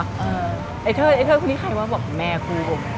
ไอ้เทิดไอ้เทิดคนนี้ใครวะบอกแม่ครูผม